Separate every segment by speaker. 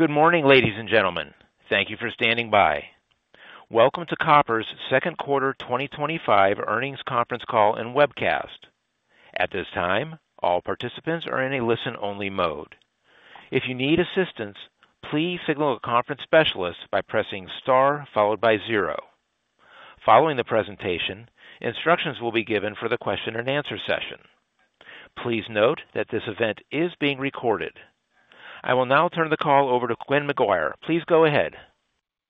Speaker 1: Good morning, ladies and gentlemen. Thank you for standing by. Welcome to Koppers' Second Quarter 2025 Earnings Conference Call and Webcast. At this time, all participants are in a listen-only mode. If you need assistance, please signal a conference specialist by pressing star followed by zero. Following the presentation, instructions will be given for the question-and-answer session. Please note that this event is being recorded. I will now turn the call over to Quynh McGuire. Please go ahead.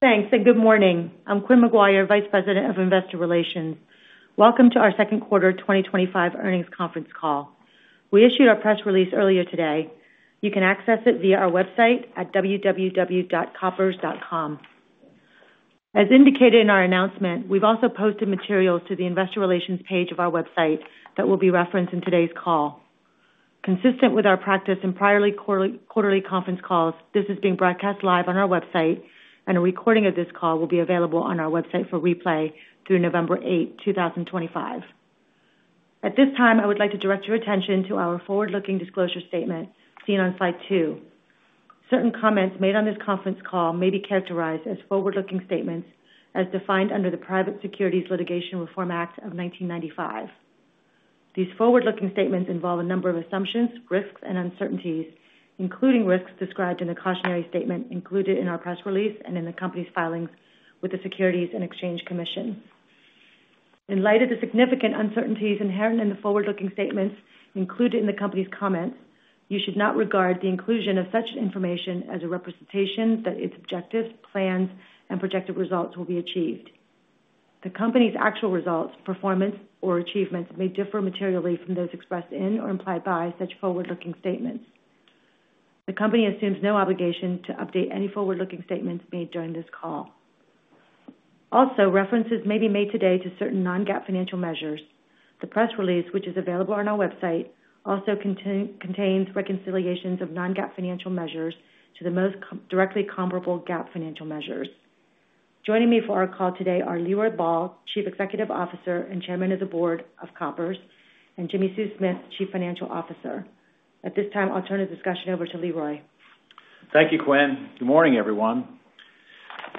Speaker 2: Thanks, and good morning. I'm Quynh McGuire, Vice President of Investor Relations. Welcome to our Second Quarter 2025 Earnings Conference Call. We issued our press release earlier today. You can access it via our website at www.koppers.com. As indicated in our announcement, we've also posted materials to the Investor Relations page of our website that will be referenced in today's call. Consistent with our practice in prior quarterly conference calls, this is being broadcast live on our website, and a recording of this call will be available on our website for replay through November 8, 2025. At this time, I would like to direct your attention to our forward-looking disclosure statement seen on slide two. Certain comments made on this conference call may be characterized as forward-looking statements as defined under the Private Securities Litigation Reform Act of 1995. These forward-looking statements involve a number of assumptions, risks, and uncertainties, including risks described in the cautionary statement included in our press release and in the company's filings with the Securities and Exchange Commission. In light of the significant uncertainties inherent in the forward-looking statements included in the company's comments, you should not regard the inclusion of such information as a representation that its objectives, plans, and projected results will be achieved. The company's actual results, performance, or achievements may differ materially from those expressed in or implied by such forward-looking statements. The company assumes no obligation to update any forward-looking statements made during this call. Also, references may be made today to certain non-GAAP financial measures. The press release, which is available on our website, also contains reconciliations of non-GAAP financial measures to the most directly comparable GAAP financial measures. Joining me for our call today are Leroy Ball, Chief Executive Officer and Chairman of the Board of Koppers, and Jimmi Sue Smith, Chief Financial Officer. At this time, I'll turn the discussion over to Leroy.
Speaker 3: Thank you, Quynh. Good morning, everyone.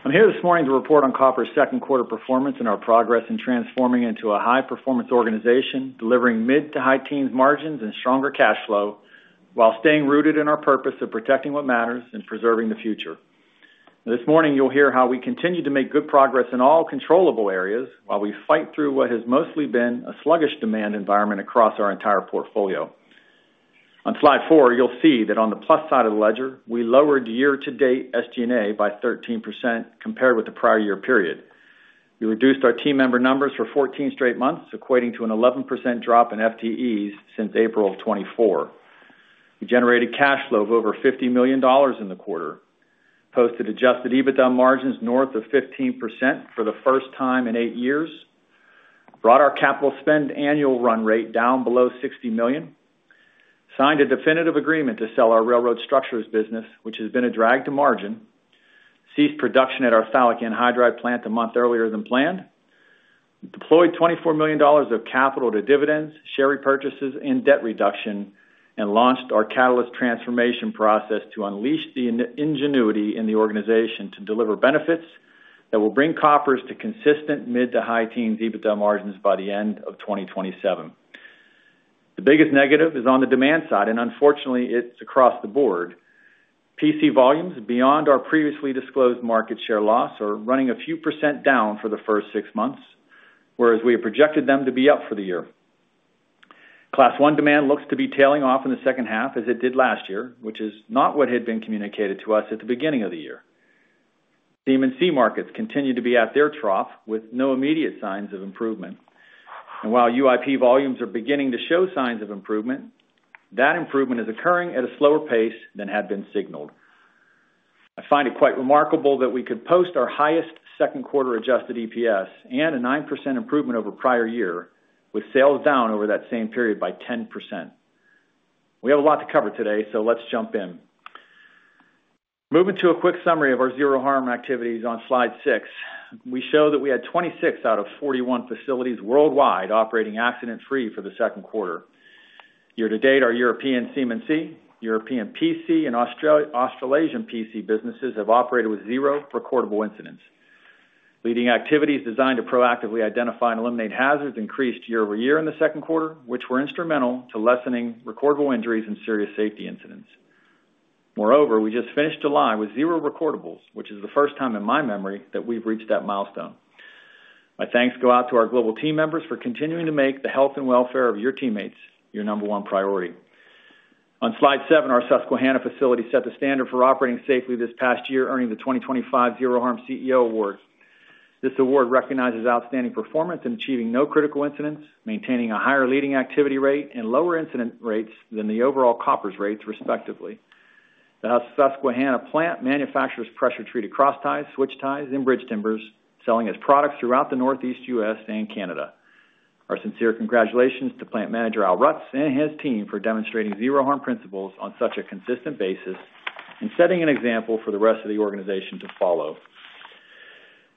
Speaker 3: I'm here this morning to report on Koppers' second quarter performance and our progress in transforming into a high-performance organization, delivering mid-to-high teens margins and stronger cash flow, while staying rooted in our purpose of protecting what matters and preserving the future. This morning, you'll hear how we continue to make good progress in all controllable areas while we fight through what has mostly been a sluggish demand environment across our entire portfolio. On slide four, you'll see that on the plus side of the ledger, we lowered year-to-date SG&A by 13% compared with the prior year period. We reduced our team member numbers for 14 straight months, equating to an 11% drop in FTEs since April of 2024. We generated cash flow of over $50 million in the quarter, posted adjusted EBITDA margins north of 15% for the first time in eight years, brought our capital spend annual run rate down below $60 million, signed a definitive agreement to sell our Railroad Structures business, which has been a drag to margin, ceased production at our phthalic anhydride plant a month earlier than planned, deployed $24 million of capital to dividends, share repurchases, and debt reduction, and launched our Catalyst transformation process to unleash the ingenuity in the organization to deliver benefits that will bring Koppers to consistent mid-to-high teens EBITDA margins by the end of 2027. The biggest negative is on the demand side, and unfortunately, it's across the board. PC volumes beyond our previously disclosed market share loss are running a few percent down for the first six months, whereas we had projected them to be up for the year. Class I demand looks to be tailing off in the second half as it did last year, which is not what had been communicated to us at the beginning of the year. C markets continue to be at their trough with no immediate signs of improvement. While UIP volumes are beginning to show signs of improvement, that improvement is occurring at a slower pace than had been signaled. I find it quite remarkable that we could post our highest second quarter adjusted EPS and a 9% improvement over prior year, with sales down over that same period by 10%. We have a lot to cover today, so let's jump in. Moving to a quick summary of our zero-harm activities on slide six, we show that we had 26 out of 41 facilities worldwide operating accident-free for the second quarter. Year to date, our European CMMC, European PC, and Australasian PC businesses have operated with zero recordable incidents. Leading activities designed to proactively identify and eliminate hazards increased year-over-year in the second quarter, which were instrumental to lessening recordable injuries and serious safety incidents. Moreover, we just finished July with zero recordables, which is the first time in my memory that we've reached that milestone. My thanks go out to our global team members for continuing to make the health and welfare of your teammates your number one priority. On slide seven, our Susquehanna facility set the standard for operating safely this past year, earning the 2025 Zero Harm CEO Award. This award recognizes outstanding performance in achieving no critical incidents, maintaining a higher leading activity rate, and lower incident rates than the overall Koppers rates, respectively. The Susquehanna plant manufactures pressure-treated crossties, switch ties, and bridge timbers, selling its products throughout the Northeast U.S. and Canada. Our sincere congratulations to plant manager Al Rutz and his team for demonstrating zero-harm principles on such a consistent basis and setting an example for the rest of the organization to follow.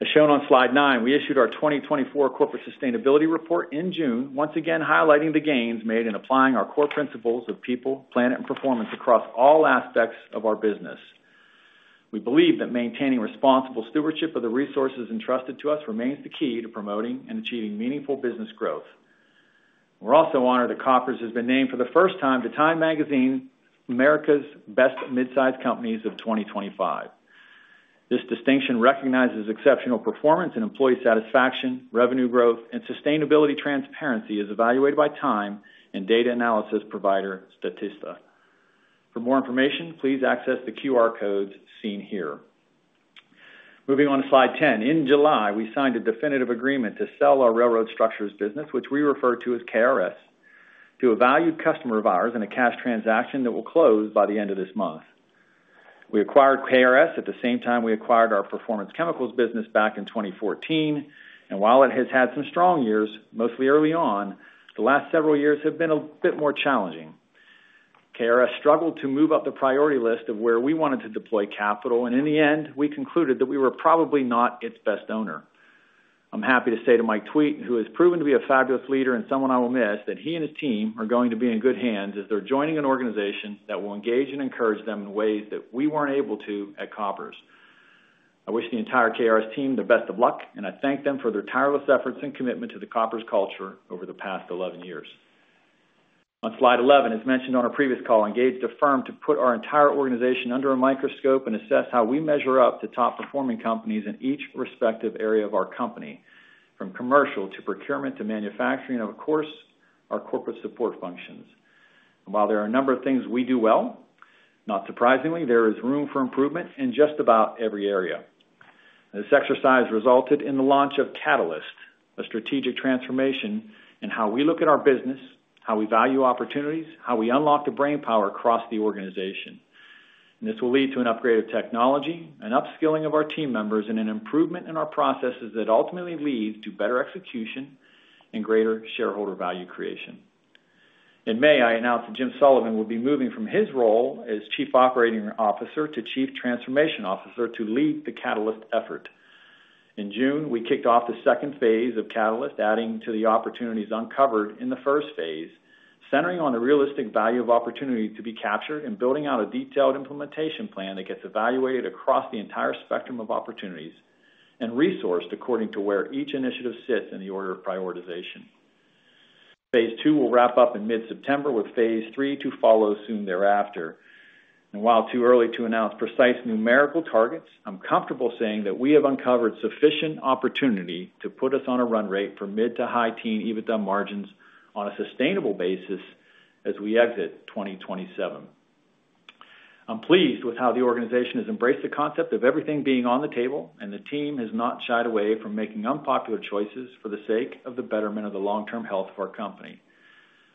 Speaker 3: As shown on slide nine, we issued our 2024 Corporate Sustainability Report in June, once again highlighting the gains made in applying our core principles of people, planet, and performance across all aspects of our business. We believe that maintaining responsible stewardship of the resources entrusted to us remains the key to promoting and achieving meaningful business growth. We're also honored that Koppers has been named for the first time to Time Magazine America's Best Mid-Size Companies of 2025. This distinction recognizes exceptional performance and employee satisfaction, revenue growth, and sustainability transparency as evaluated by Time and data analysis provider Statista. For more information, please access the QR codes seen here. Moving on to slide ten, in July, we signed a definitive agreement to sell our Railroad Structures business, which we refer to as KRS, to a valued customer of ours in a cash transaction that will close by the end of this month. We acquired KRS at the same time we acquired our Performance Chemicals business back in 2014, and while it has had some strong years, mostly early on, the last several years have been a bit more challenging. KRS struggled to move up the priority list of where we wanted to deploy capital, and in the end, we concluded that we were probably not its best owner. I'm happy to say to Mike Tweet, who has proven to be a fabulous leader and someone I will miss, that he and his team are going to be in good hands as they're joining an organization that will engage and encourage them in ways that we weren't able to at Koppers. I wish the entire KRS team the best of luck, and I thank them for their tireless efforts and commitment to the Koppers culture over the past 11 years. On slide 11, as mentioned on a previous call, I engaged a firm to put our entire organization under a microscope and assess how we measure up to top-performing companies in each respective area of our company, from commercial to procurement to manufacturing and, of course, our corporate support functions. While there are a number of things we do well, not surprisingly, there is room for improvement in just about every area. This exercise resulted in the launch of Catalyst, a strategic transformation in how we look at our business, how we value opportunities, and how we unlock the brainpower across the organization. This will lead to an upgrade of technology, an upskilling of our team members, and an improvement in our processes that ultimately lead to better execution and greater shareholder value creation. In May, I announced that Jim Sullivan will be moving from his role as Chief Operating Officer to Chief Transformation Officer to lead the Catalyst effort. In June, we kicked off the second phase of Catalyst, adding to the opportunities uncovered in the first phase, centering on the realistic value of opportunity to be captured and building out a detailed implementation plan that gets evaluated across the entire spectrum of opportunities and resourced according to where each initiative sits in the order of prioritization. Phase II will wrap up in mid-September, with phase III to follow soon thereafter. While too early to announce precise numerical targets, I'm comfortable saying that we have uncovered sufficient opportunity to put us on a run rate for mid-to-high teen EBITDA margins on a sustainable basis as we exit 2027. I'm pleased with how the organization has embraced the concept of everything being on the table, and the team has not shied away from making unpopular choices for the sake of the betterment of the long-term health of our company.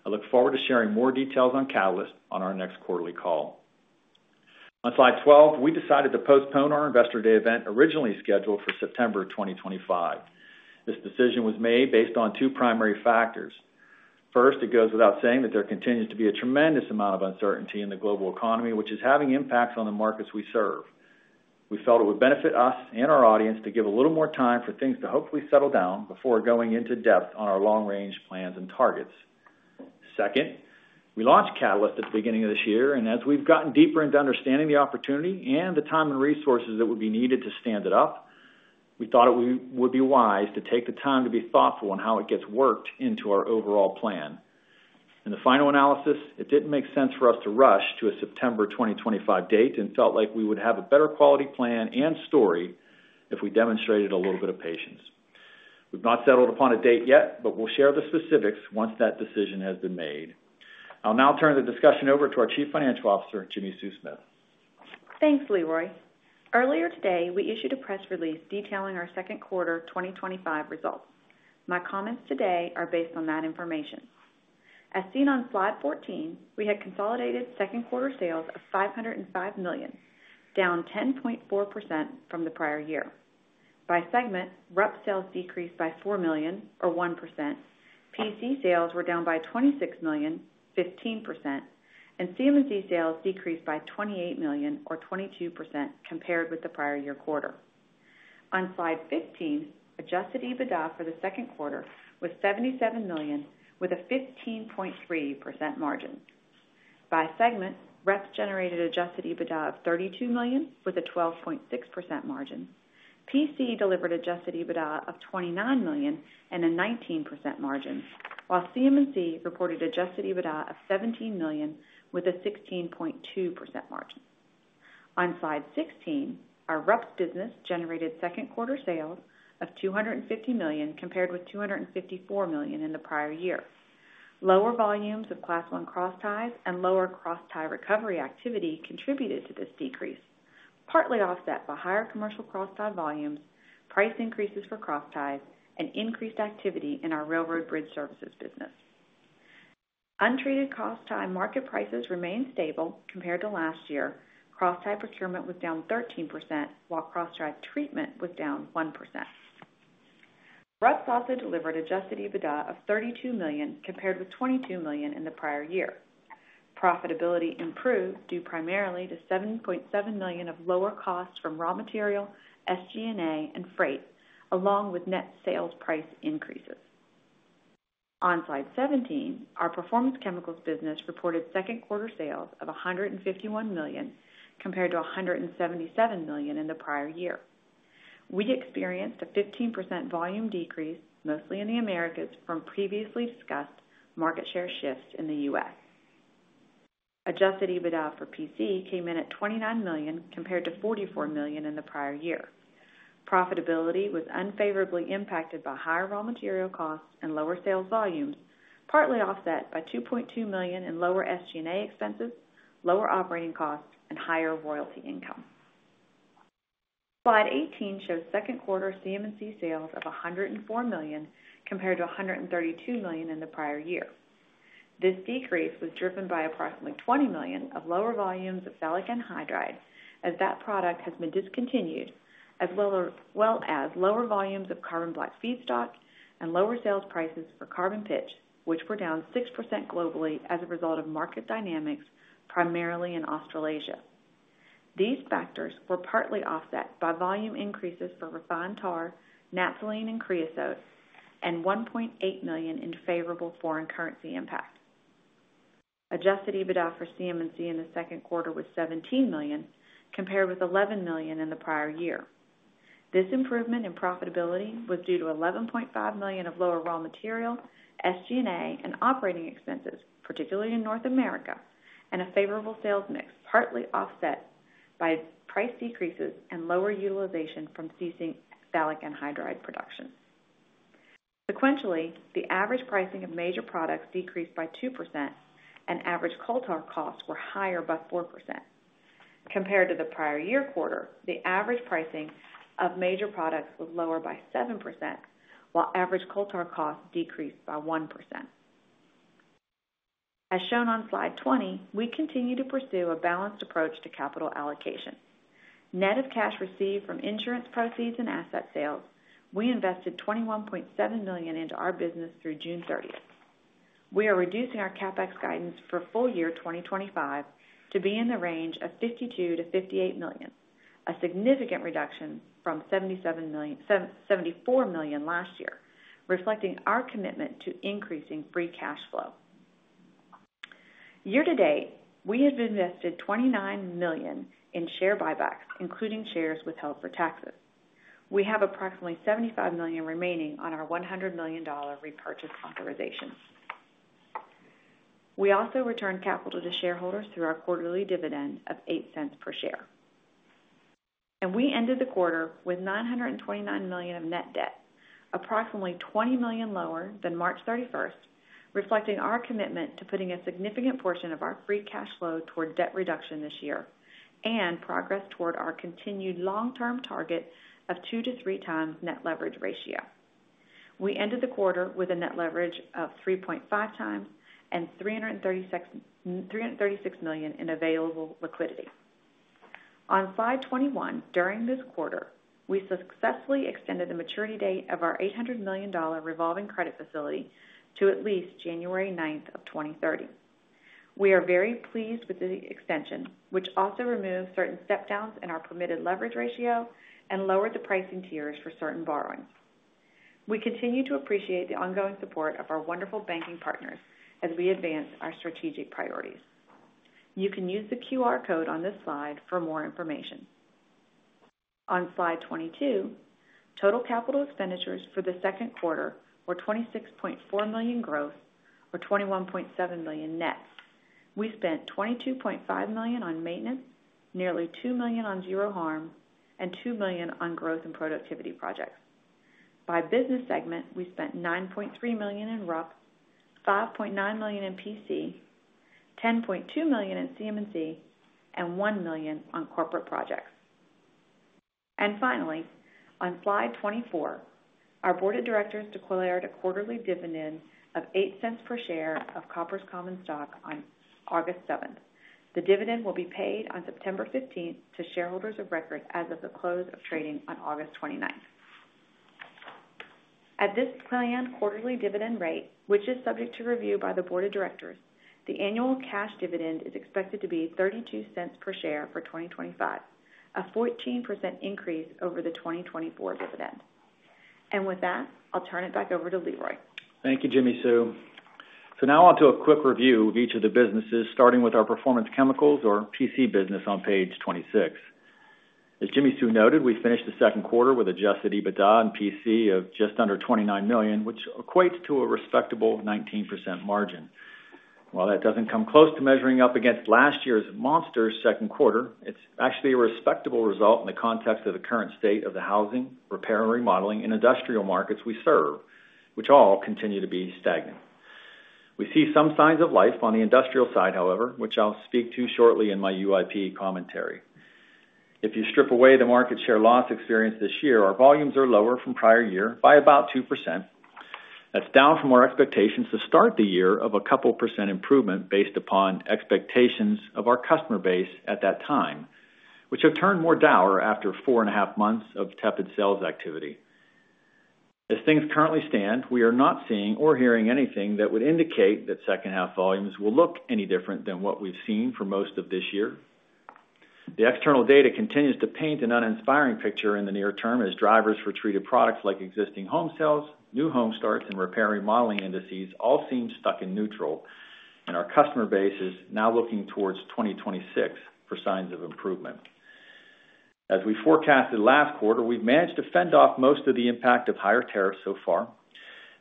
Speaker 3: I look forward to sharing more details on Catalyst on our next quarterly call. On slide 12, we decided to postpone our Investor Day event originally scheduled for September 2025. This decision was made based on two primary factors. First, it goes without saying that there continues to be a tremendous amount of uncertainty in the global economy, which is having impacts on the markets we serve. We felt it would benefit us and our audience to give a little more time for things to hopefully settle down before going into depth on our long-range plans and targets. Second, we launched Catalyst at the beginning of this year, and as we've gotten deeper into understanding the opportunity and the time and resources that would be needed to stand it up, we thought it would be wise to take the time to be thoughtful in how it gets worked into our overall plan. In the final analysis, it didn't make sense for us to rush to a September 2025 date and felt like we would have a better quality plan and story if we demonstrated a little bit of patience. We've not settled upon a date yet, but we'll share the specifics once that decision has been made. I'll now turn the discussion over to our Chief Financial Officer, Jimmi Sue Smith.
Speaker 4: Thanks, Leroy. Earlier today, we issued a press release detailing our second quarter 2025 results. My comments today are based on that information. As seen on slide 14, we had consolidated second quarter sales of $505 million, down 10.4% from the prior year. By segment, RUPS sales decreased by $4 million, or 1%. PC sales were down by $26 million, 15%, and CMMC sales decreased by $28 million, or 22% compared with the prior year quarter. On slide 15, adjusted EBITDA for the second quarter was $77 million, with a 15.3% margin. By segment, RUPS generated adjusted EBITDA of $32 million, with a 12.6% margin. PC delivered adjusted EBITDA of $29 million and a 19% margin, while CMMC reported adjusted EBITDA of $17 million, with a 16.2% margin. On slide 16, our RUPS business generated second quarter sales of $250 million, compared with $254 million in the prior year. Lower volumes of Class I cross ties and lower cross tie recovery activity contributed to this decrease, partly offset by higher commercial cross tie volumes, price increases for cross ties, and increased activity in our railroad bridge services business. Untreated cross tie market prices remain stable compared to last year. Cross tie procurement was down 13%, while cross tie treatment was down 1%. RUPS also delivered adjusted EBITDA of $32 million, compared with $22 million in the prior year. Profitability improved due primarily to $7.7 million of lower costs from raw material, SG&A, and freight, along with net sales price increases. On slide 17, our Performance Chemicals business reported second quarter sales of $151 million, compared to $177 million in the prior year. We experienced a 15% volume decrease, mostly in the Americas, from previously discussed market share shifts in the U.S. Adjusted EBITDA for PC came in at $29 million, compared to $44 million in the prior year. Profitability was unfavorably impacted by higher raw material costs and lower sales volumes, partly offset by $2.2 million in lower SG&A expenses, lower operating costs, and higher royalty income. Slide 18 shows second quarter CMMC sales of $104 million, compared to $132 million in the prior year. This decrease was driven by approximately $20 million of lower volumes of phthalic anhydride, as that product has been discontinued, as well as lower volumes of carbon black feedstock and lower sales prices for carbon pitch, which were down 6% globally as a result of market dynamics, primarily in Australasia. These factors were partly offset by volume increases for refined tar, natcheline, and creosote, and $1.8 million in favorable foreign currency impact. Adjusted EBITDA for CMMC in the second quarter was $17 million, compared with $11 million in the prior year. This improvement in profitability was due to $11.5 million of lower raw material, SG&A, and operating expenses, particularly in North America, and a favorable sales mix, partly offset by price decreases and lower utilization from ceasing phthalic anhydride production. Sequentially, the average pricing of major products decreased by 2%, and average coal tar costs were higher by 4%. Compared to the prior year quarter, the average pricing of major products was lower by 7%, while average coal tar costs decreased by 1%. As shown on slide 20, we continue to pursue a balanced approach to capital allocation. Net of cash received from insurance proceeds and asset sales, we invested $21.7 million into our business through June 30. We are reducing our CapEx guidance for full year 2025 to be in the range of $52 million-$58 million, a significant reduction from $74 million last year, reflecting our commitment to increasing free cash flow. Year to date, we have invested $29 million in share buybacks, including shares withheld for taxes. We have approximately $75 million remaining on our $100 million repurchase authorization. We also returned capital to shareholders through our quarterly dividend of $0.08 per share. We ended the quarter with $929 million of net debt, approximately $20 million lower than March 31st, reflecting our commitment to putting a significant portion of our free cash flow toward debt reduction this year and progress toward our continued long-term target of2x-3x net leverage ratio. We ended the quarter with a net leverage of 3.5x and $336 million in available liquidity. On 5/21, during this quarter, we successfully extended the maturity date of our $800 million revolving credit facility to at least January 9, 2030. We are very pleased with the extension, which also removes certain stepdowns in our permitted leverage ratio and lowered the pricing tiers for certain borrowings. We continue to appreciate the ongoing support of our wonderful banking partners as we advance our strategic priorities. You can use the QR code on this slide for more information. On slide 22, total capital expenditures for the second quarter were $26.4 million gross, or $21.7 million net. We spent $22.5 million on maintenance, nearly $2 million on zero harm, and $2 million on growth and productivity projects. By business segment, we spent $9.3 million in RUPS, $5.9 million in PC, $10.2 million in CMMC, and $1 million on corporate projects. Finally, on slide 24, our Board of Directors declared a quarterly dividend of $0.08 per share of Koppers Common Stock on August 7. The dividend will be paid on September 15 to shareholders of record as of the close of trading on August 29. At this planned quarterly dividend rate, which is subject to review by the Board of Directors, the annual cash dividend is expected to be $0.32 per share for 2025, a 14% increase over the 2024 dividend. With that, I'll turn it back over to Leroy.
Speaker 3: Thank you, Jimmi Sue. Now onto a quick review of each of the businesses, starting with our Performance Chemicals or PC business on page 26. As Jimmi Sue noted, we finished the second quarter with adjusted EBITDA in PC of just under $29 million, which equates to a respectable 19% margin. While that doesn't come close to measuring up against last year's monstrous second quarter, it's actually a respectable result in the context of the current state of the housing, repair, and remodeling and industrial markets we serve, which all continue to be stagnant. We see some signs of life on the industrial side, however, which I'll speak to shortly in my UIP commentary. If you strip away the market share loss experienced this year, our volumes are lower from prior year by about 2%. That's down from our expectations to start the year of a couple percent improvement based upon expectations of our customer base at that time, which have turned more down after four and a half months of tepid sales activity. As things currently stand, we are not seeing or hearing anything that would indicate that second half volumes will look any different than what we've seen for most of this year. The external data continues to paint an uninspiring picture in the near term as drivers for treated products like existing home sales, new home starts, and repair remodeling indices all seem stuck in neutral, and our customer base is now looking towards 2026 for signs of improvement. As we forecasted last quarter, we've managed to fend off most of the impact of higher tariffs so far.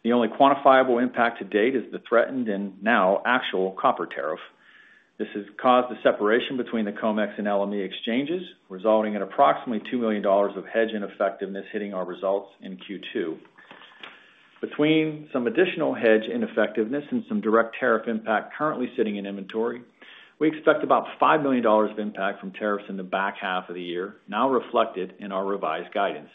Speaker 3: The only quantifiable impact to date is the threatened and now actual copper tariff. This has caused a separation between the COMEX and LME exchanges, resulting in approximately $2 million of hedge ineffectiveness hitting our results in Q2. Between some additional hedge ineffectiveness and some direct tariff impact currently sitting in inventory, we expect about $5 million of impact from tariffs in the back half of the year, now reflected in our revised guidance.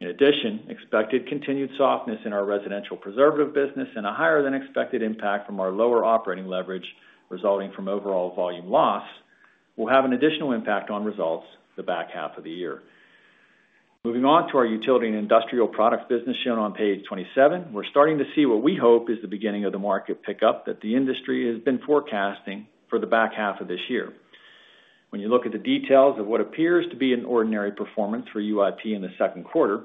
Speaker 3: In addition, expected continued softness in our residential preservative business and a higher than expected impact from our lower operating leverage resulting from overall volume loss will have an additional impact on results the back half of the year. Moving on to our utility and industrial products business shown on page 27, we're starting to see what we hope is the beginning of the market pickup that the industry has been forecasting for the back half of this year. When you look at the details of what appears to be an ordinary performance for UIP in the second quarter,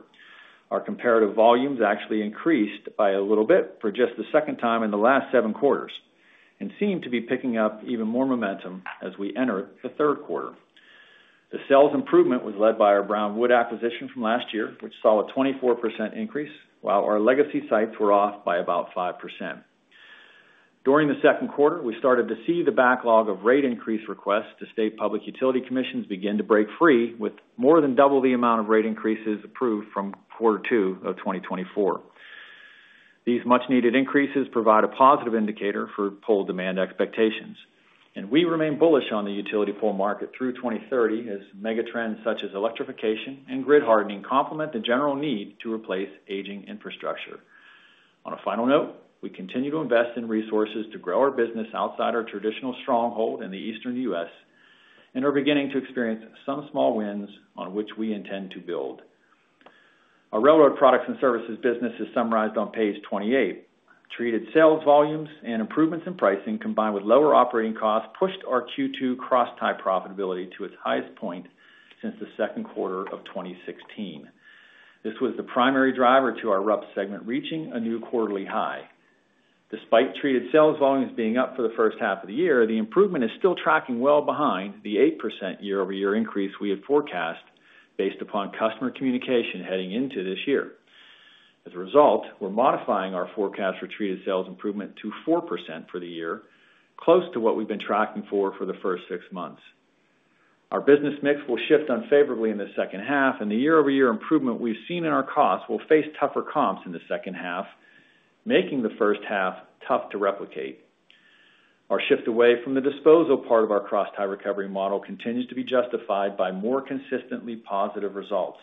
Speaker 3: our comparative volumes actually increased by a little bit for just the second time in the last seven quarters and seem to be picking up even more momentum as we enter the third quarter. The sales improvement was led by our Brown Wood acquisition from last year, which saw a 24% increase, while our legacy sites were off by about 5%. During the second quarter, we started to see the backlog of rate increase requests to state public utility commissions begin to break free, with more than double the amount of rate increases approved from quarter two of 2024. These much-needed increases provide a positive indicator for pole demand expectations, and we remain bullish on the utility pole market through 2030 as megatrends such as electrification and grid hardening complement the general need to replace aging infrastructure. On a final note, we continue to invest in resources to grow our business outside our traditional stronghold in the Eastern U.S. and are beginning to experience some small wins on which we intend to build. Our railroad products and services business is summarized on page 28. Treated sales volumes and improvements in pricing, combined with lower operating costs, pushed our Q2 crosstie profitability to its highest point since the second quarter of 2016. This was the primary driver to our RUPS segment reaching a new quarterly high. Despite treated sales volumes being up for the first half of the year, the improvement is still tracking well behind the 8% year-over-year increase we had forecast based upon customer communication heading into this year. As a result, we're modifying our forecast for treated sales improvement to 4% for the year, close to what we've been tracking for the first six months. Our business mix will shift unfavorably in the second half, and the year-over-year improvement we've seen in our costs will face tougher comps in the second half, making the first half tough to replicate. Our shift away from the disposal part of our crosstie recovery model continues to be justified by more consistently positive results.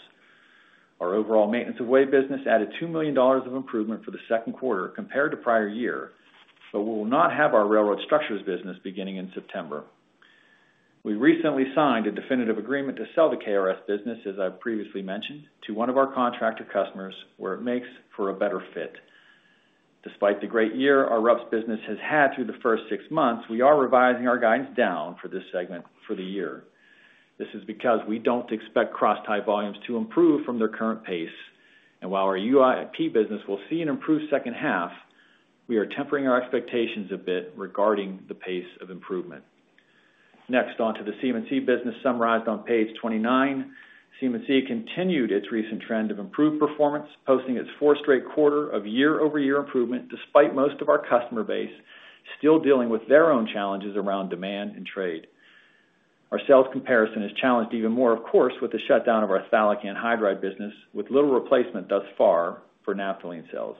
Speaker 3: Our overall maintenance of way business added $2 million of improvement for the second quarter compared to prior year, but we will not have our Railroad Structures business beginning in September. We recently signed a definitive agreement to sell the KRS business, as I've previously mentioned, to one of our contractor customers where it makes for a better fit. Despite the great year our RUPS business has had through the first six months, we are revising our guidance down for this segment for the year. This is because we don't expect crosstie volumes to improve from their current pace, and while our UIP business will see an improved second half, we are tempering our expectations a bit regarding the pace of improvement. Next, onto the CMMC business summarized on page 29. CMMC continued its recent trend of improved performance, posting its fourth straight quarter of year-over-year improvement despite most of our customer base still dealing with their own challenges around demand and trade. Our sales comparison is challenged even more, of course, with the shutdown of our phthalic anhydride business, with little replacement thus far for natcheline sales.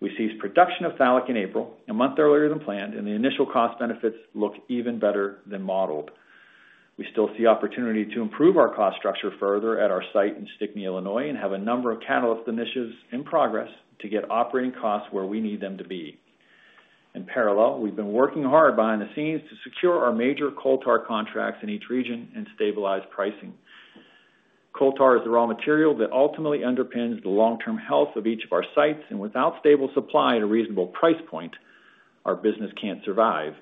Speaker 3: We ceased production of phthalic in April, a month earlier than planned, and the initial cost benefits look even better than modeled. We still see opportunity to improve our cost structure further at our site in Stickney, Illinois, and have a number of Catalyst initiatives in progress to get operating costs where we need them to be. In parallel, we've been working hard behind the scenes to secure our major coal tar contracts in each region and stabilize pricing. Coal tar is the raw material that ultimately underpins the long-term health of each of our sites, and without stable supply at a reasonable price point, our business can't survive.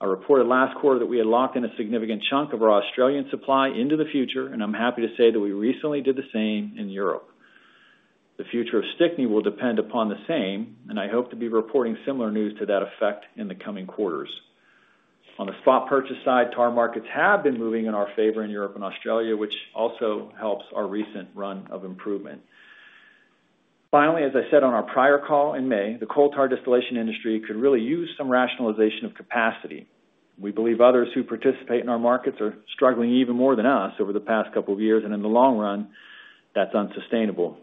Speaker 3: I reported last quarter that we had locked in a significant chunk of our Australian supply into the future, and I'm happy to say that we recently did the same in Europe. The future of Stickney will depend upon the same, and I hope to be reporting similar news to that effect in the coming quarters. On the spot purchase side, tar markets have been moving in our favor in Europe and Australia, which also helps our recent run of improvement. Finally, as I said on our prior call in May, the coal tar distillation industry could really use some rationalization of capacity. We believe others who participate in our markets are struggling even more than us over the past couple of years, and in the long run, that's unsustainable.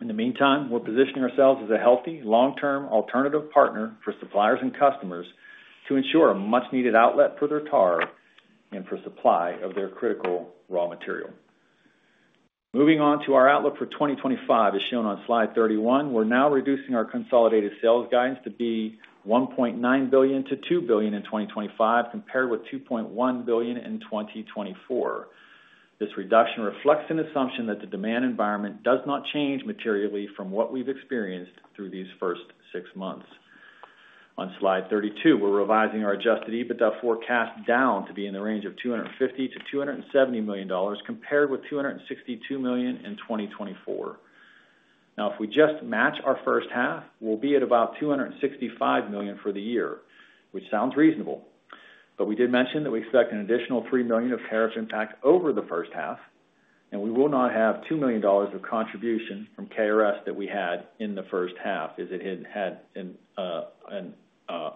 Speaker 3: In the meantime, we're positioning ourselves as a healthy, long-term alternative partner for suppliers and customers to ensure a much-needed outlet for their tar and for supply of their critical raw material. Moving on to our outlook for 2025, as shown on slide 31, we're now reducing our consolidated sales guidance to be $1.9 billion-$2 billion in 2025, compared with $2.1 billion in 2024. This reduction reflects an assumption that the demand environment does not change materially from what we've experienced through these first six months. On slide 32, we're revising our adjusted EBITDA forecast down to be in the range of $250 million-$270 million, compared with $262 million in 2024. Now, if we just match our first half, we'll be at about $265 million for the year, which sounds reasonable. We did mention that we expect an additional $3 million of tariff impact over the first half, and we will not have $2 million of contribution from KRS that we had in the first half, as it had had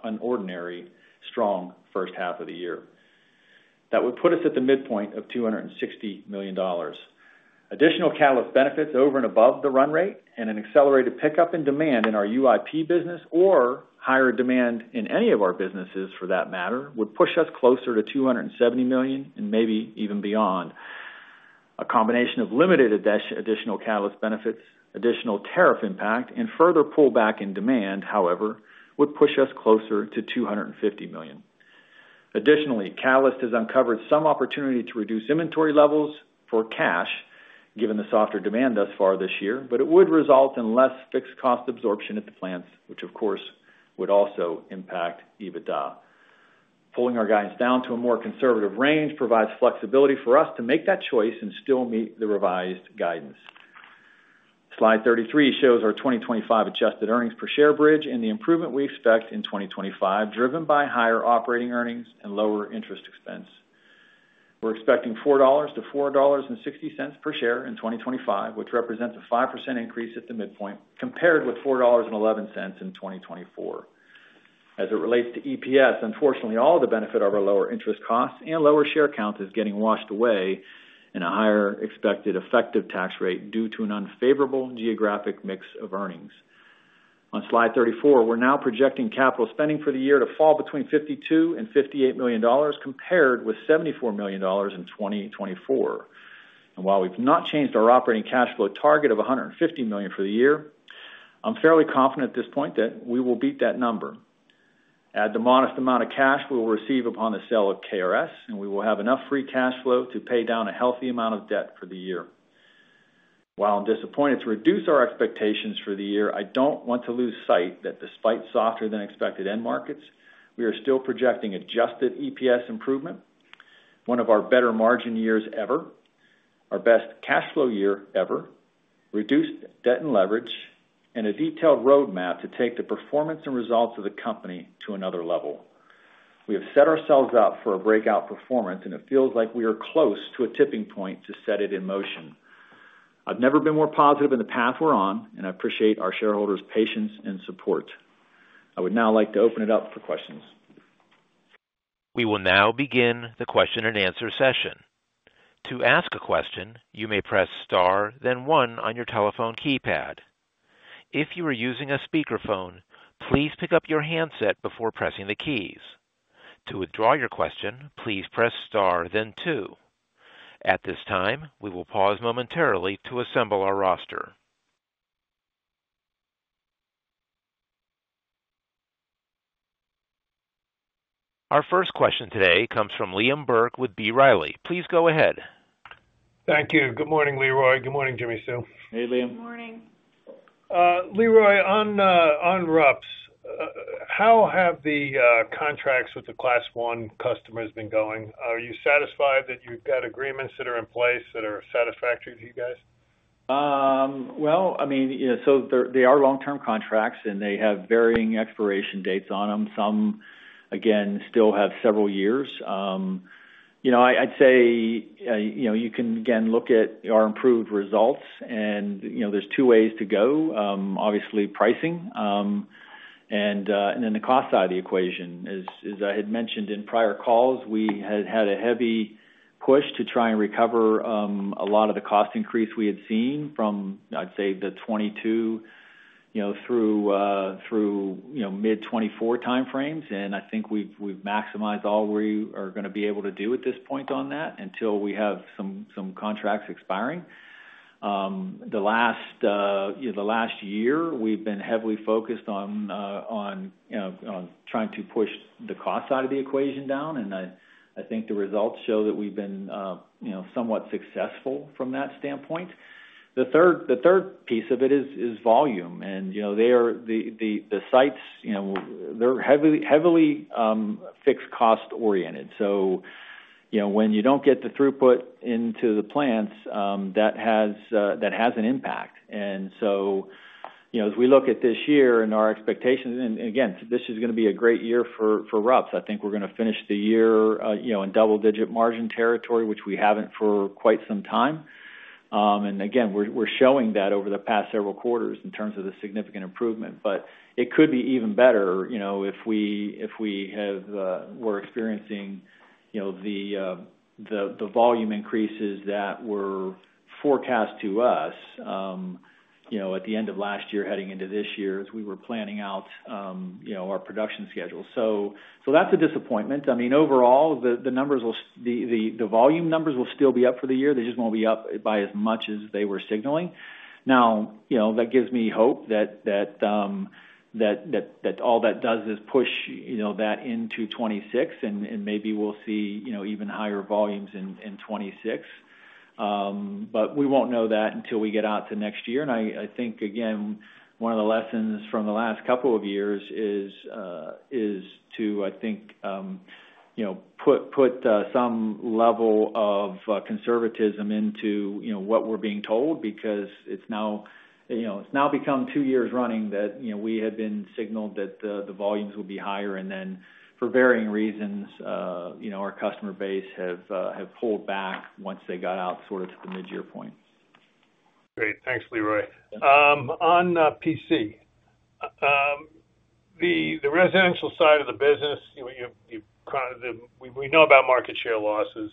Speaker 3: an ordinarily strong first half of the year. That would put us at the midpoint of $260 million. Additional Catalyst benefits over and above the run rate and an accelerated pickup in demand in our UIP business, or higher demand in any of our businesses for that matter, would push us closer to $270 million and maybe even beyond. A combination of limited additional Catalyst benefits, additional tariff impact, and further pullback in demand, however, would push us closer to $250 million. Additionally, Catalyst has uncovered some opportunity to reduce inventory levels for cash, given the softer demand thus far this year, but it would result in less fixed cost absorption at the plants, which of course would also impact EBITDA. Pulling our guidance down to a more conservative range provides flexibility for us to make that choice and still meet the revised guidance. Slide 33 shows our 2025 adjusted earnings per share bridge and the improvement we expect in 2025, driven by higher operating earnings and lower interest expense. We're expecting $4-$4.60 per share in 2025, which represents a 5% increase at the midpoint, compared with $4.11 in 2024. As it relates to EPS, unfortunately, all of the benefit of our lower interest costs and lower share counts is getting washed away in a higher expected effective tax rate due to an unfavorable geographic mix of earnings. On slide 34, we're now projecting capital spending for the year to fall between $52 million and $58 million, compared with $74 million in 2024. While we've not changed our operating cash flow target of $150 million for the year, I'm fairly confident at this point that we will beat that number. Add the modest amount of cash we will receive upon the sale of KRS, and we will have enough free cash flow to pay down a healthy amount of debt for the year. While I'm disappointed to reduce our expectations for the year, I don't want to lose sight that despite softer than expected end markets, we are still projecting adjusted EPS improvement, one of our better margin years ever, our best cash flow year ever, reduced debt and leverage, and a detailed roadmap to take the performance and results of the company to another level. We have set ourselves up for a breakout performance, and it feels like we are close to a tipping point to set it in motion. I've never been more positive in the path we're on, and I appreciate our shareholders' patience and support. I would now like to open it up for questions.
Speaker 1: We will now begin the question-and-answer session. To ask a question, you may press star, then one on your telephone keypad. If you are using a speakerphone, please pick up your handset before pressing the keys. To withdraw your question, please press star, then two. At this time, we will pause momentarily to assemble our roster. Our first question today comes from Liam Burke with B. Riley. Please go ahead.
Speaker 5: Thank you. Good morning, Leroy. Good morning, Jimmi Sue.
Speaker 3: Hey, Liam.
Speaker 4: Morning.
Speaker 5: Leroy, on RUPS, how have the contracts with the Class I customers been going? Are you satisfied that you've got agreements that are in place that are satisfactory to you guys?
Speaker 3: They are long-term contracts, and they have varying expiration dates on them. Some still have several years. You can look at our improved results, and there's two ways to go: obviously, pricing and then the cost side of the equation. As I had mentioned in prior calls, we had a heavy push to try and recover a lot of the cost increase we had seen from 2022 through mid-2024 timeframes. I think we've maximized all we are going to be able to do at this point on that until we have some contracts expiring. The last year, we've been heavily focused on trying to push the cost side of the equation down, and I think the results show that we've been somewhat successful from that standpoint. The third piece of it is volume, and they are the sites, they're heavily fixed cost-oriented. When you don't get the throughput into the plants, that has an impact. As we look at this year and our expectations, this is going to be a great year for RUPS. I think we're going to finish the year in double-digit margin territory, which we haven't for quite some time. We're showing that over the past several quarters in terms of the significant improvement. It could be even better if we were experiencing the volume increases that were forecast to us at the end of last year, heading into this year, as we were planning out our production schedule. That's a disappointment. Overall, the numbers will, the volume numbers will still be up for the year. They just won't be up by as much as they were signaling. That gives me hope that all that does is push that into 2026, and maybe we'll see even higher volumes in 2026. We won't know that until we get out to next year. I think one of the lessons from the last couple of years is to put some level of conservatism into what we're being told because it's now become two years running that we had been signaled that the volumes will be higher, and then for varying reasons, our customer base has pulled back once they got out sort of to the mid-year point.
Speaker 5: Great. Thanks, Leroy. On PC, the residential side of the business, we know about market share losses.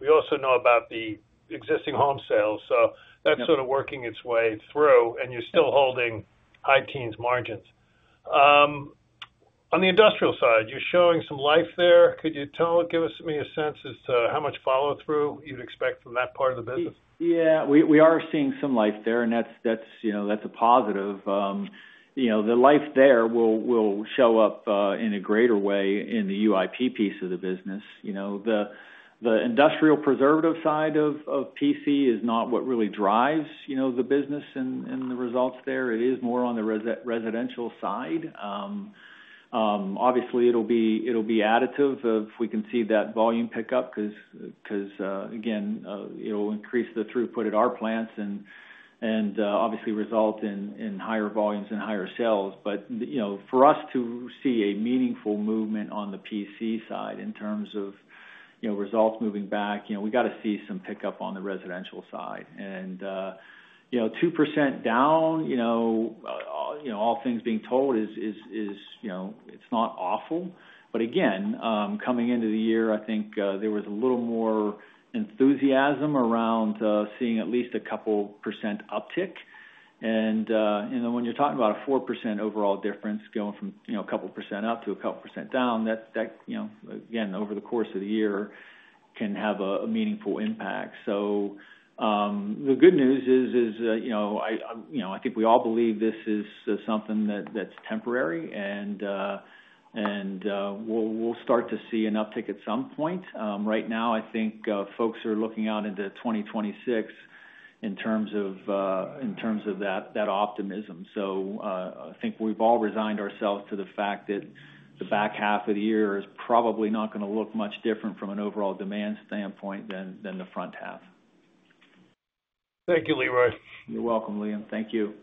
Speaker 5: We also know about the existing home sales. That's sort of working its way through, and you're still holding high key margins. On the industrial side, you're showing some life there. Could you give us a sense as to how much follow-through you'd expect from that part of the business?
Speaker 3: Yeah, we are seeing some life there, and that's a positive. The life there will show up in a greater way in the UIP piece of the business. The industrial preservative side of PC is not what really drives the business and the results there. It is more on the residential side. Obviously, it'll be additive if we can see that volume pickup because, again, it'll increase the throughput at our plants and obviously result in higher volumes and higher sales. For us to see a meaningful movement on the PC side in terms of results moving back, we got to see some pickup on the residential side. 2% down, all things being told, is not awful. Coming into the year, I think there was a little more enthusiasm around seeing at least a couple percent uptick. When you're talking about a 4% overall difference going from a couple percent up to a couple percent down, that, again, over the course of the year can have a meaningful impact. The good news is, I think we all believe this is something that's temporary, and we'll start to see an uptick at some point. Right now, I think folks are looking out into 2026 in terms of that optimism. I think we've all resigned ourselves to the fact that the back half of the year is probably not going to look much different from an overall demand standpoint than the front half.
Speaker 5: Thank you, Leroy.
Speaker 3: You're welcome, Liam. Thank you.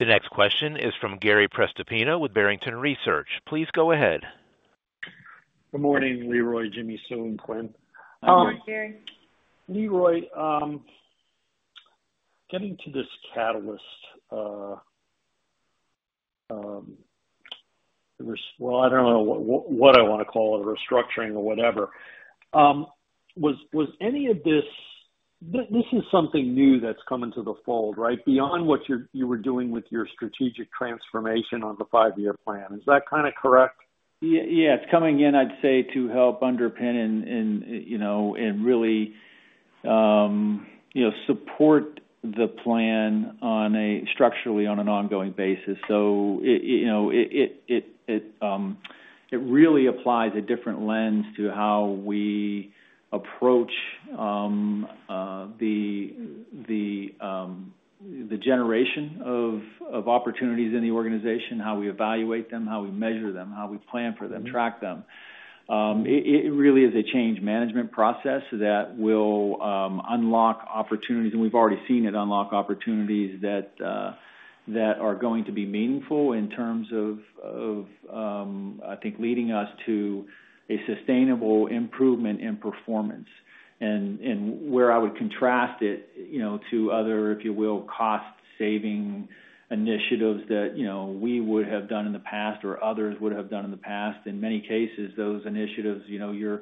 Speaker 1: The next question is from Gary Prestopino with Barrington Research. Please go ahead.
Speaker 6: Good morning, Leroy, Jimmi Sue, and Quynh.
Speaker 4: Hello, Gary.
Speaker 6: Leroy, getting to this Catalyst, I don't know what I want to call it, a restructuring or whatever, was any of this, is this something new that's coming to the fold, right, beyond what you were doing with your strategic transformation on the five-year plan? Is that kind of correct?
Speaker 3: Yeah, it's coming in, I'd say, to help underpin and really support the plan structurally on an ongoing basis. It really applies a different lens to how we approach the generation of opportunities in the organization, how we evaluate them, how we measure them, how we plan for them, track them. It really is a change management process that will unlock opportunities, and we've already seen it unlock opportunities that are going to be meaningful in terms of, I think, leading us to a sustainable improvement in performance. Where I would contrast it to other, if you will, cost-saving initiatives that we would have done in the past or others would have done in the past, in many cases, those initiatives, you're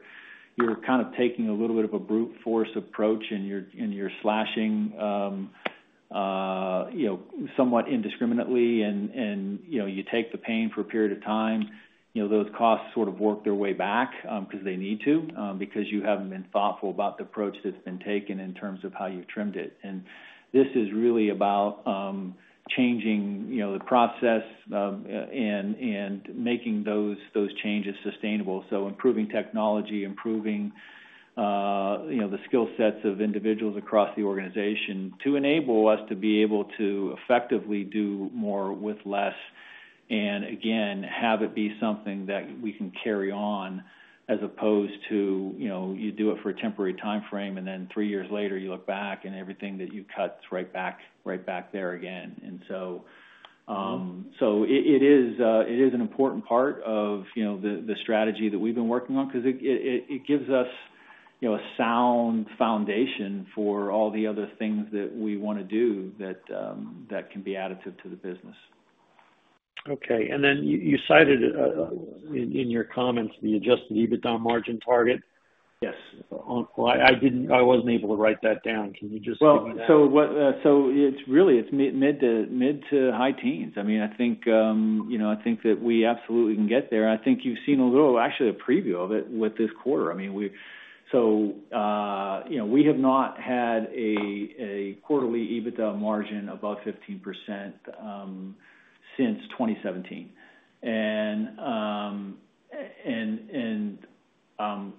Speaker 3: kind of taking a little bit of a brute force approach, and you're slashing somewhat indiscriminately, and you take the pain for a period of time. Those costs sort of work their way back because they need to, because you haven't been thoughtful about the approach that's been taken in terms of how you've trimmed it. This is really about changing the process and making those changes sustainable. Improving technology, improving the skill sets of individuals across the organization to enable us to be able to effectively do more with less and, again, have it be something that we can carry on as opposed to you do it for a temporary timeframe, and then three years later, you look back and everything that you cut is right back there again. It is an important part of the strategy that we've been working on because it gives us a sound foundation for all the other things that we want to do that can be additive to the business.
Speaker 6: Okay. You cited in your comments the adjusted EBITDA margin target.
Speaker 3: Yes.
Speaker 6: I wasn't able to write that down. Can you just?
Speaker 3: It's really mid to high teens. I think that we absolutely can get there. I think you've seen a little, actually, a preview of it with this quarter. We have not had a quarterly EBITDA margin above 15% since 2017, and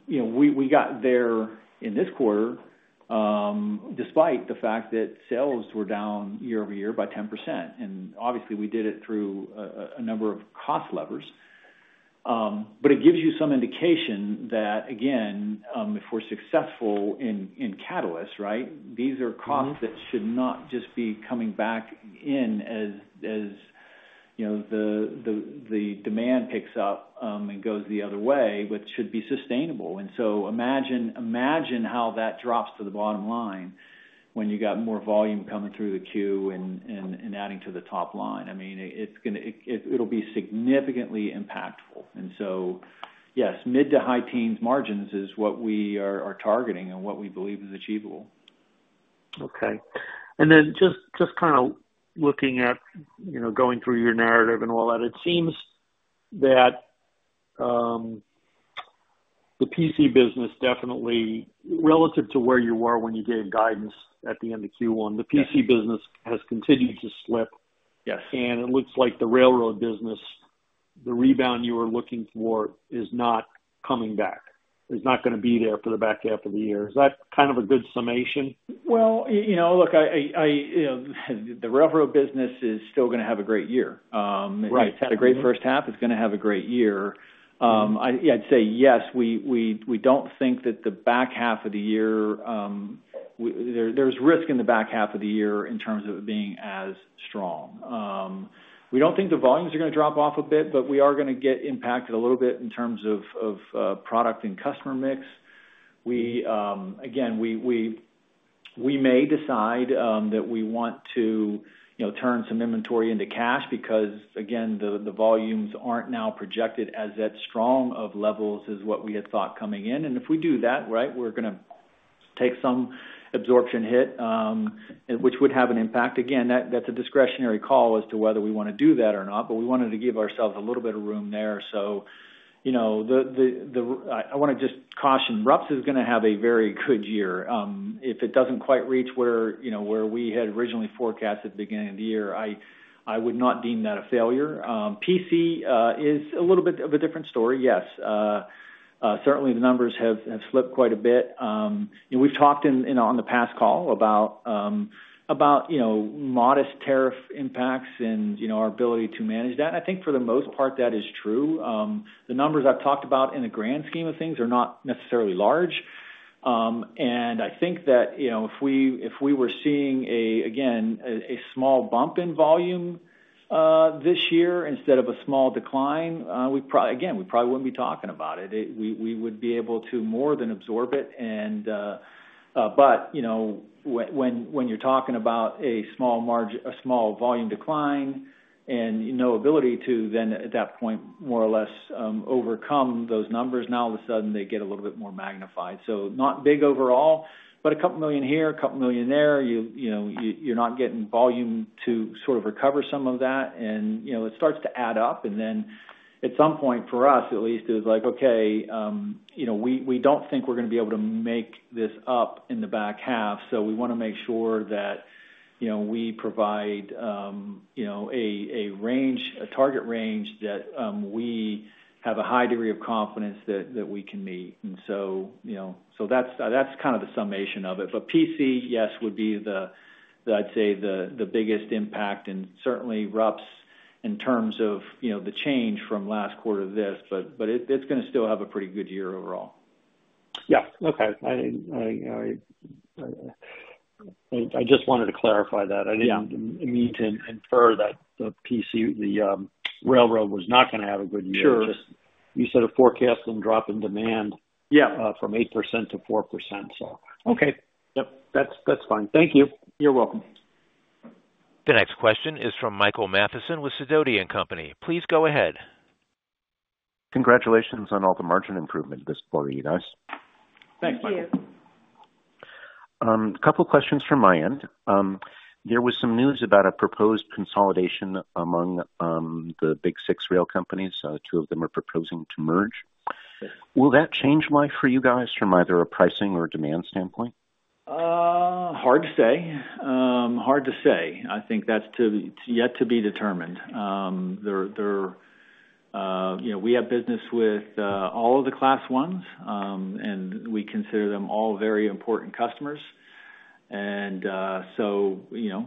Speaker 3: we got there in this quarter despite the fact that sales were down year-over-year by 10%. Obviously, we did it through a number of cost levers. It gives you some indication that, again, if we're successful in Catalyst, these are costs that should not just be coming back in as the demand picks up and goes the other way, which should be sustainable. Imagine how that drops to the bottom line when you've got more volume coming through the queue and adding to the top line. It'll be significantly impactful. Yes, mid to high teens margins is what we are targeting and what we believe is achievable.
Speaker 6: Okay. Just kind of looking at, you know, going through your narrative and all that, it seems that the PC business definitely, relative to where you were when you gave guidance at the end of Q1, the PC business has continued to slip.
Speaker 3: Yes.
Speaker 6: It looks like the railroad business, the rebound you were looking for, is not coming back. It's not going to be there for the back half of the year. Is that kind of a good summation?
Speaker 3: You know, look, the railroad business is still going to have a great year.
Speaker 6: Right.
Speaker 3: It's had a great first half. It's going to have a great year. I'd say, yes, we don't think that the back half of the year, there's risk in the back half of the year in terms of it being as strong. We don't think the volumes are going to drop off a bit, but we are going to get impacted a little bit in terms of product and customer mix. Again, we may decide that we want to turn some inventory into cash because, again, the volumes aren't now projected as that strong of levels as what we had thought coming in. If we do that, right, we're going to take some absorption hit, which would have an impact. That's a discretionary call as to whether we want to do that or not, but we wanted to give ourselves a little bit of room there. I want to just caution RUPS is going to have a very good year. If it doesn't quite reach where we had originally forecast at the beginning of the year, I would not deem that a failure. PC is a little bit of a different story, yes. Certainly, the numbers have slipped quite a bit. We've talked on the past call about modest tariff impacts and our ability to manage that. I think for the most part, that is true. The numbers I've talked about in a grand scheme of things are not necessarily large. I think that if we were seeing, again, a small bump in volume this year instead of a small decline, we probably wouldn't be talking about it. We would be able to more than absorb it. When you're talking about a small volume decline and no ability to then, at that point, more or less overcome those numbers, now all of a sudden they get a little bit more magnified. Not big overall, but a couple million here, a couple million there. You're not getting volume to sort of recover some of that. It starts to add up. At some point, for us at least, it was like, okay, we don't think we're going to be able to make this up in the back half. We want to make sure that we provide a range, a target range that we have a high degree of confidence that we can meet. That's kind of the summation of it. PC, yes, would be the, I'd say, the biggest impact and certainly RUPS in terms of the change from last quarter to this, but it's going to still have a pretty good year overall.
Speaker 6: Yeah, okay. I just wanted to clarify that. I didn't mean to infer that the railroad was not going to have a good year.
Speaker 3: Sure.
Speaker 6: You said a forecast and drop in demand.
Speaker 3: Yeah.
Speaker 6: From 8% to 4%. Okay. Yep, that's fine. Thank you.
Speaker 3: You're welcome.
Speaker 1: The next question is from Michael Matheson with Sidoti & Company. Please go ahead.
Speaker 7: Congratulations on all the margin improvement at this point, you guys.
Speaker 3: Thanks, Mike.
Speaker 7: A couple of questions from my end. There was some news about a proposed consolidation among the big six rail companies. Two of them are proposing to merge. Will that change life for you guys from either a pricing or a demand standpoint?
Speaker 3: Hard to say. I think that's yet to be determined. We have business with all of the Class Is, and we consider them all very important customers.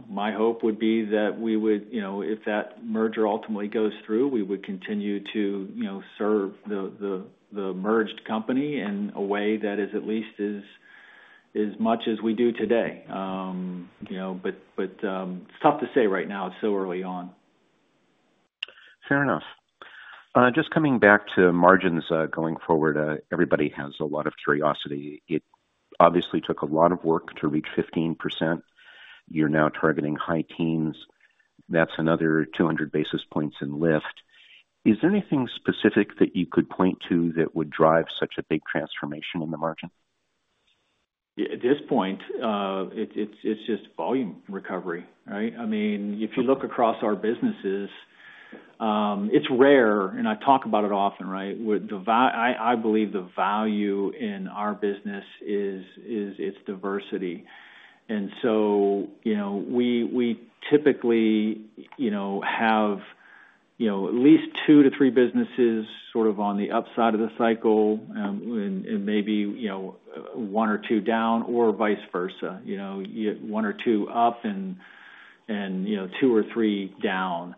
Speaker 3: My hope would be that if that merger ultimately goes through, we would continue to serve the merged company in a way that is at least as much as we do today. It's tough to say right now. It's so early on.
Speaker 7: Fair enough. Just coming back to margins going forward, everybody has a lot of curiosity. It obviously took a lot of work to reach 15%. You're now targeting high teens. That's another 200 basis points in lift. Is there anything specific that you could point to that would drive such a big transformation in the margin?
Speaker 3: At this point, it's just volume recovery, right? I mean, if you look across our businesses, it's rare, and I talk about it often, right? I believe the value in our business is its diversity. We typically have at least two to three businesses sort of on the upside of the cycle, and maybe one or two down or vice versa, one or two up and two or three down.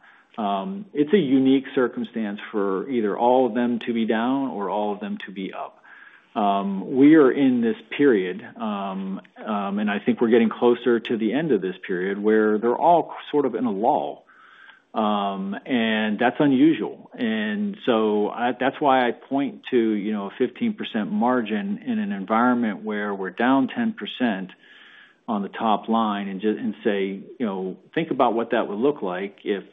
Speaker 3: It's a unique circumstance for either all of them to be down or all of them to be up. We are in this period, and I think we're getting closer to the end of this period where they're all sort of in a lull, and that's unusual. That's why I point to a 15% margin in an environment where we're down 10% on the top line and say, think about what that would look like if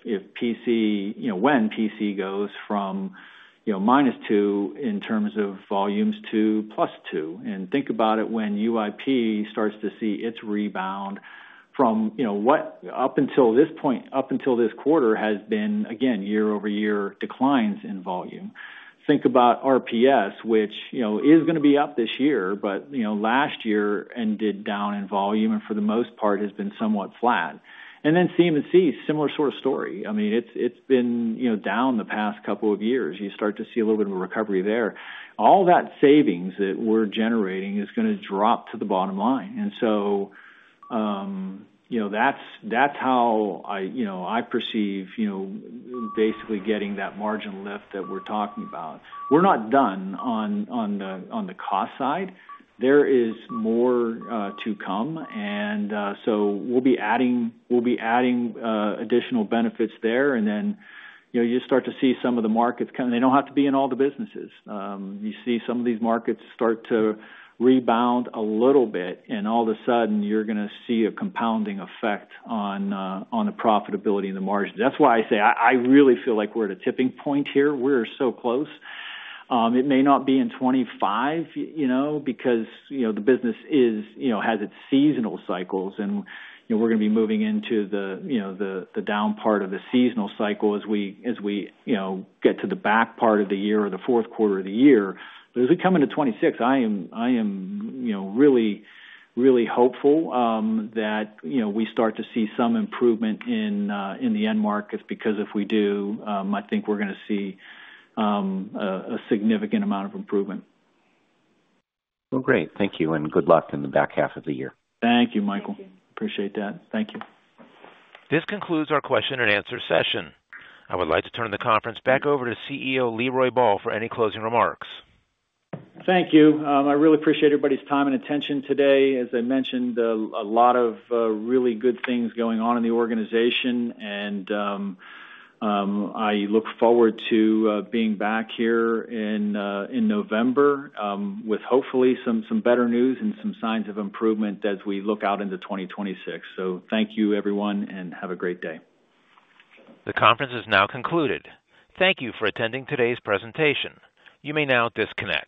Speaker 3: PC, when PC goes from -2 in terms of volumes to +2. Think about it when UIP starts to see its rebound from what up until this point, up until this quarter has been, again, year-over-year declines in volume. Think about RUPS, which is going to be up this year, but last year ended down in volume and for the most part has been somewhat flat. CMC, similar sort of story. It's been down the past couple of years. You start to see a little bit of a recovery there. All that savings that we're generating is going to drop to the bottom line. That's how I perceive basically getting that margin lift that we're talking about. We're not done on the cost side. There is more to come. We'll be adding additional benefits there. You just start to see some of the markets come. They don't have to be in all the businesses. You see some of these markets start to rebound a little bit, and all of a sudden you're going to see a compounding effect on the profitability in the margin. That's why I say I really feel like we're at a tipping point here. We're so close. It may not be in 2025 because the business has its seasonal cycles, and we're going to be moving into the down part of the seasonal cycle as we get to the back part of the year or the fourth quarter of the year. As we come into 2026, I am really, really hopeful that we start to see some improvement in the end markets because if we do, I think we're going to see a significant amount of improvement.
Speaker 7: Thank you and good luck in the back half of the year.
Speaker 3: Thank you, Michael.
Speaker 7: Appreciate that. Thank you.
Speaker 1: This concludes our question-and-answer session. I would like to turn the conference back over to CEO Leroy Ball for any closing remarks.
Speaker 3: Thank you. I really appreciate everybody's time and attention today. As I mentioned, a lot of really good things going on in the organization, and I look forward to being back here in November with hopefully some better news and some signs of improvement as we look out into 2026. Thank you, everyone, and have a great day.
Speaker 1: The conference is now concluded. Thank you for attending today's presentation. You may now disconnect.